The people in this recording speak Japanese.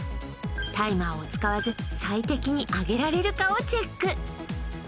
タイマーを使わず最適に揚げられるかをチェック